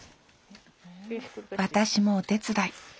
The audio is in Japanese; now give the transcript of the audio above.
私もお手伝い。